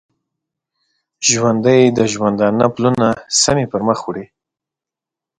ژوندي د ژوندانه پلونه سمی پرمخ وړي